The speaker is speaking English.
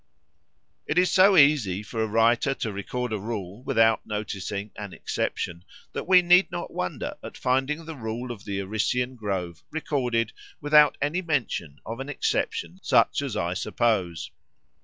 It is so easy for a writer to record a rule without noticing an exception that we need not wonder at finding the rule of the Arician grove recorded without any mention of an exception such as I suppose.